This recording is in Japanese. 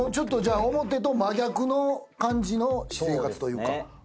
表と真逆の感じの生活というか。